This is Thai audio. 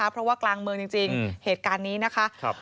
เพราะว่ากลางเมืองจริงเหตุการณ์นี้นะคะ